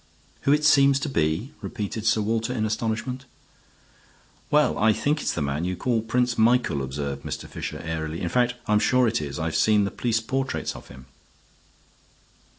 "Who it seems to be!" repeated Sir Walter in astonishment. "Well, I think it's the man you call Prince Michael," observed Mr. Fisher, airily. "In fact, I'm sure it is. I've seen the police portraits of him."